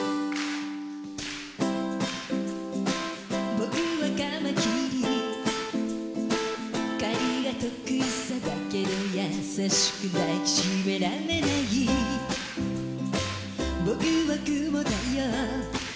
僕はカマキリ狩りが得意さだけど優しく抱きしめられない僕はクモだよ